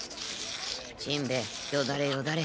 しんべヱよだれよだれ。